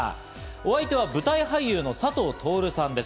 お相手は舞台俳優の佐藤達さんです。